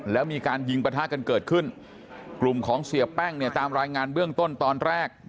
แล้วมีการยิงประทะกันเกิดขึ้นกลุ่มของเสียแป้งเนี่ยตามรายงานเบื้องต้นตอนแรก